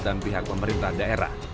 dan pihak pemerintah daerah